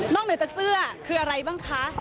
เหนือจากเสื้อคืออะไรบ้างคะ